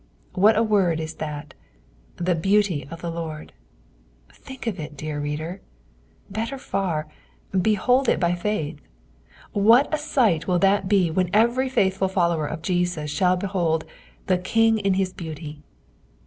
What a word is that, " the beauty of the Lord.' " Think of it, dear reader j Better far— behold it by faith 1 What a sight will that be when every faithful follower of Jesus sliall behold " the King in his beauty